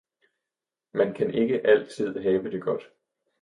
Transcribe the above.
Man kan ikke altid have det godt!